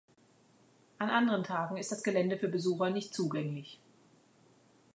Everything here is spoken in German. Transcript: An anderen Tagen ist das Gelände für Besucher nicht zugänglich.